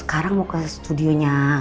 sekarang mau ke studionya